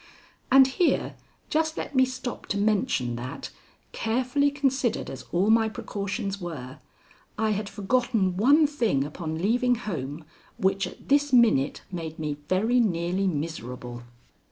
And here just let me stop to mention that, carefully considered as all my precautions were, I had forgotten one thing upon leaving home which at this minute made me very nearly miserable.